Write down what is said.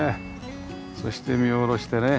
そして見下ろしてね。